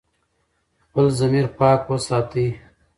خپل ضمیر پاک وساتئ.